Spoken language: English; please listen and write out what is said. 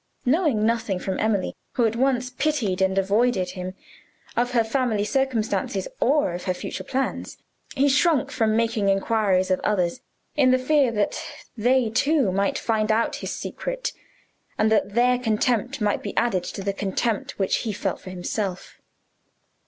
Knowing nothing from Emily who at once pitied and avoided him of her family circumstances or of her future plans, he had shrunk from making inquiries of others, in the fear that they, too, might find out his secret, and that their contempt might be added to the contempt which he felt for himself.